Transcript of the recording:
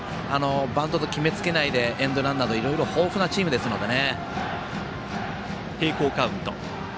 バントを決め付けないでエンドランなど豊富なチームですからね。